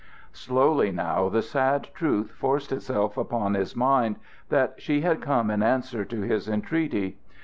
Slowly now the sad truth forced itself upon his mind that she had come in answer to his entreaty.